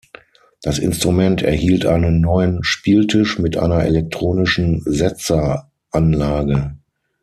Das Instrument erhielt einen neuen Spieltisch mit einer elektronischen Setzeranlage.